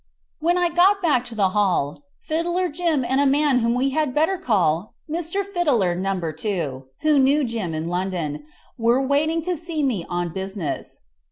When I got back to the hall, Fiddler Jim and a man whom we had better call Mr. Fiddler No. 2, who knew Jim in London, were waiting to see me on business.